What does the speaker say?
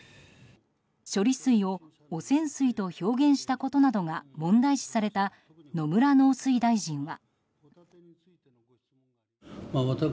処理水を汚染水と表現したことなどが問題視された野村農水大臣は。